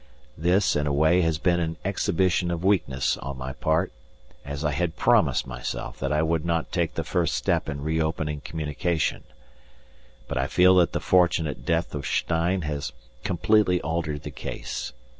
This, in a way, has been an exhibition of weakness on my part, as I had promised myself that I would not take the first step in reopening communication; but I feel that the fortunate death of Stein has completely altered the case.